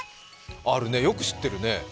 あるね、よく知ってるね。